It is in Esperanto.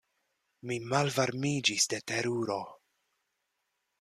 Mi malvarmiĝis de teruro.